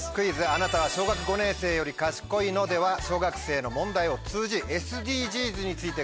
あなたは小学５年生より賢いの？』では小学生の問題を通じＳＤＧｓについて考え